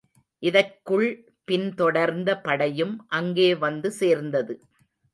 இதற்குள் பின் தொடர்ந்த படையும் அங்கே வந்து சேர்ந்தது.